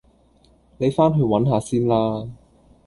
你返去搵下先啦